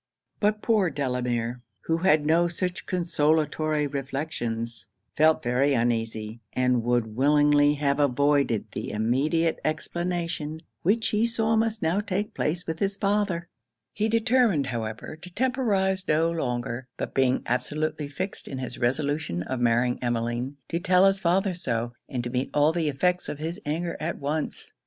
But poor Delamere, who had no such consolatory reflections, felt very uneasy, and would willingly have avoided the immediate explanation which he saw must now take place with his father. He determined, however, to temporize no longer; but being absolutely fixed in his resolution of marrying Emmeline, to tell his father so, and to meet all the effects of his anger at once.